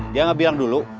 dia gak bilang dulu